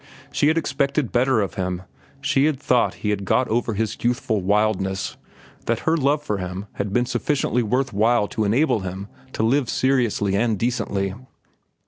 She had expected better of him. She had thought he had got over his youthful wildness, that her love for him had been sufficiently worth while to enable him to live seriously and decently.